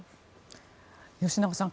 吉永さん